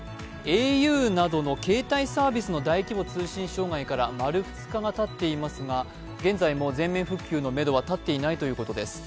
ａｕなどの携帯サービスの大規模通信障害から丸２日がたっていますが、現在も全面復旧のめどは立っていないということです。